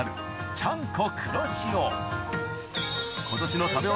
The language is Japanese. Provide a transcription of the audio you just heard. ちゃんこ！